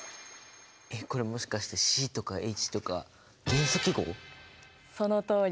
えっこれもしかしてＣとかＨとかそのとおり！